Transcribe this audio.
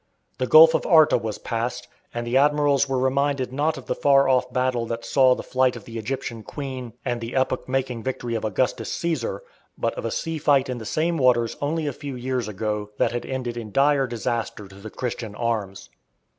The Gulf of Arta was passed, and the admirals were reminded not of the far off battle that saw the flight of the Egyptian Queen and the epoch making victory of Augustus Cæsar, but of a sea fight in the same waters only a few years ago that had ended in dire disaster to the Christian arms.